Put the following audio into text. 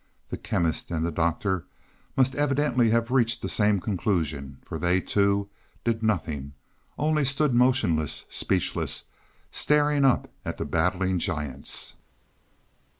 The Chemist and the Doctor must evidently have reached the same conclusion, for they, too, did nothing, only stood motionless, speechless, staring up at the battling giants.